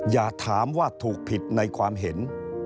อย่าถามว่าถูกผิดในความเห็น